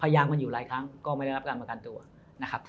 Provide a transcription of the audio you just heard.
ยางมันอยู่หลายครั้งก็ไม่ได้รับการประกันตัวนะครับ